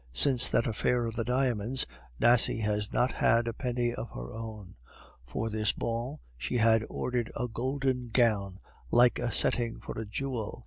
Since that affair of the diamonds, Nasie has not had a penny of her own. For this ball she had ordered a golden gown like a setting for a jewel.